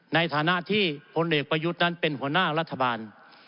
ในฐานะที่พลเอกประยุทธ์นั้นเป็นหัวหน้ารัฐบาล